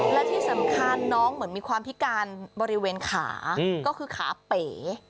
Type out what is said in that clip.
และที่สำคัญน้องเหมือนมีความพิการบริเวณขาก็คือขาเป๋